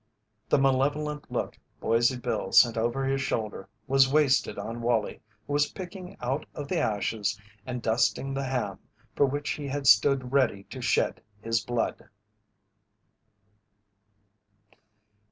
The malevolent look Boise Bill sent over his shoulder was wasted on Wallie who was picking out of the ashes and dusting the ham for which he had stood ready to shed his blood.